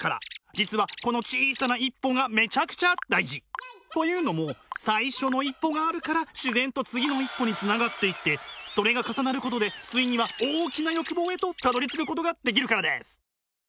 実はこの小さな一歩がめちゃくちゃ大事。というのも最初の一歩があるから自然と次の一歩につながっていってそれが重なることでついには大きな欲望へとたどりつくことができるからです！